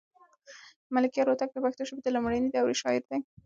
ملکیار هوتک د پښتو ژبې د لومړنۍ دورې شاعر دی.